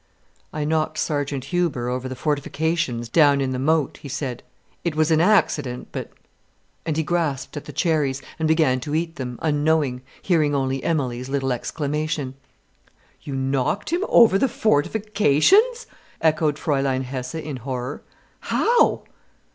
"I knocked Sergeant Huber over the fortifications down into the moat," he said. "It was an accident—but——" And he grasped at the cherries, and began to eat them, unknowing, hearing only Emilie's little exclamation. "You knocked him over the fortifications!" echoed Fräulein Hesse in horror. "How?"